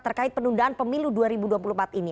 terkait penundaan pemilu dua ribu dua puluh empat ini